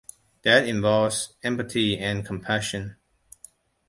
That involves empathy and compassion.